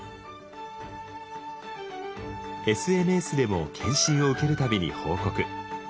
ＳＮＳでも検診を受ける度に報告。